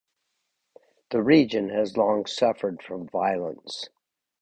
The region has long suffered from violence.